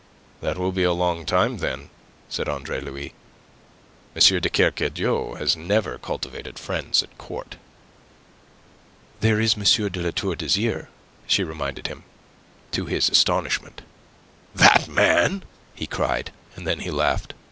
"That will be a long time, then," said Andre Louis. "M. de Kercadiou has never cultivated friends at court." "There is M. de La Tour d'Azyr," she reminded him, to his astonishment. "That man!" he cried, and then he laughed.